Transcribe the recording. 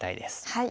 はい。